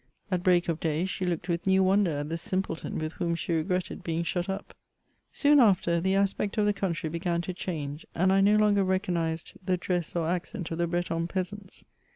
At break of day, she looked with new wonder at the simpleton with whom she r^etted bmng shut up. Soon after, the aspect of the eountiy began to change, and I no longer recognized the dress or accent of the Breton peasants.